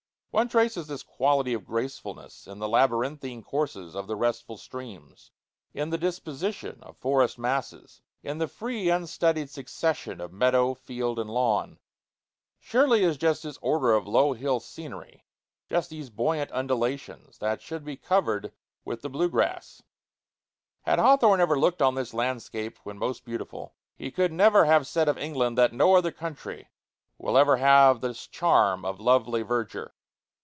One traces this quality of gracefulness in the labyrinthine courses of the restful streams, in the disposition of forest masses, in the free, unstudied succession of meadow, field, and lawn. Surely it is just this order of low hill scenery, just these buoyant undulations, that should be covered with the blue grass. Had Hawthorne ever looked on this landscape when most beautiful, he could never have said of England that "no other country will ever have this charm of lovely verdure."